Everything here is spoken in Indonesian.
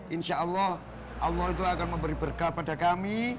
insyaallah allah itu akan memberi berkah pada kami